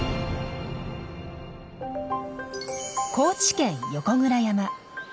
高知県横倉山。